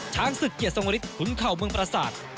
ช้างศึกเกียรติทรงฤทธิขุนเข่าเมืองประสาท